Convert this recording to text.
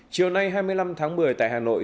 chiều nay hai mươi năm tháng một mươi tại hà nội